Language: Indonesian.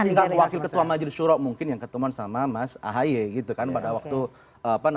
enggak wakil ketua majelis syuro mungkin yang ketemuan sama mas ahy gitu kan pada waktu apa namanya